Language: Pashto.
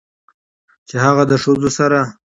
چې هغه د ښځو سره